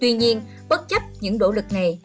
tuy nhiên bất chấp những đỗ lực này